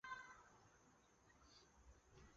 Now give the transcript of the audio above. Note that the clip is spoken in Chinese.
贝尔卡塔尔是德国黑森州的一个市镇。